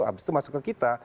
habis itu masuk ke kita